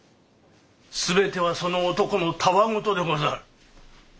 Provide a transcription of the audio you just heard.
全てはその男のたわ言でござる。